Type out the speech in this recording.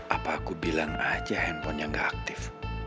apa aku bilang aja handphonenya nggak aktif